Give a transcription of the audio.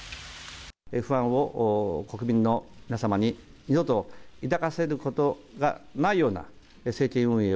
不安を国民の皆様に二度と抱かせることがないような政権運営